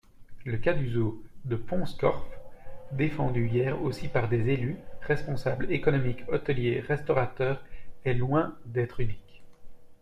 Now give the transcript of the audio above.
Le cas du zoo de Pont-Scorff, défendu hier aussi par des élus, responsables économiques, hôteliers, restaurateurs, est loin d’être unique.